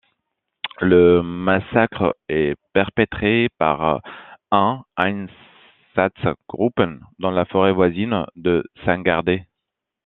Le massacre est perpétré par un Einsatzgruppen dans la forêt voisine de Sungardai.